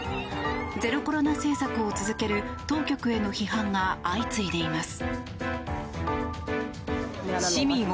ゼロコロナ政策を続ける当局への批判が相次いでいます。